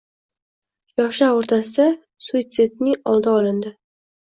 Yoshlar oʻrtasida suitsidning oldini olindi.